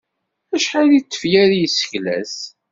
Acḥal n tefyar i yessekles?